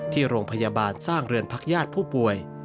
ที่โรงพยาบาลสร้างเรือนพักญาติผู้ป่วย